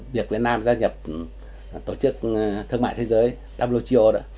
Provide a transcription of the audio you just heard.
việc việt nam gia nhập tổ chức thương mại thế giới wio đó